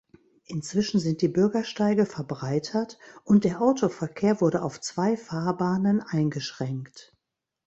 Inzwischen sind die Bürgersteige verbreitert und der Autoverkehr wurde auf zwei Fahrbahnen eingeschränkt.